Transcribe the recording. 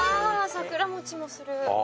桜餅もする！